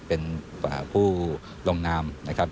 เป็นผู้ลงนามนะครับ